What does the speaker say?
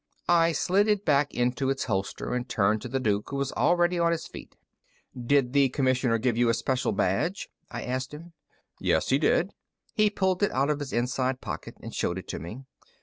I slid it back into its holster and turned to the Duke, who was already on his feet. "Did the Commissioner give you a Special Badge?" I asked him. "Yes, he did." He pulled it out of his inside pocket and showed it to me.